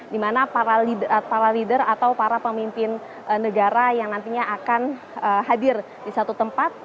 dimana para pemimpin negara yang nantinya akan hadir di satu tempat